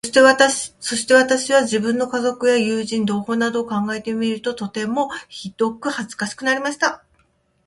そして私は、自分の家族や友人、同胞などを考えてみると、とてもひどく恥かしくなりました。